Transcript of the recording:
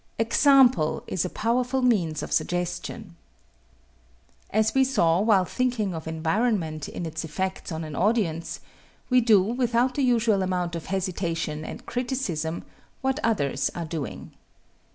Example is a powerful means of suggestion. As we saw while thinking of environment in its effects on an audience, we do, without the usual amount of hesitation and criticism, what others are doing.